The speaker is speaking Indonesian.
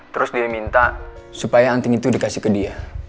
terus dia minta supaya anting itu dikasih ke dia